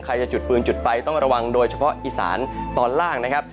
จะจุดปืนจุดไฟต้องระวังโดยเฉพาะอีสานตอนล่างนะครับ